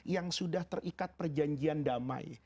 yang sudah terikat perjanjian damai